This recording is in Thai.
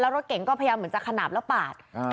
แล้วรถเก๋งก็พยายามเหมือนจะขนับแล้วปาดอ่า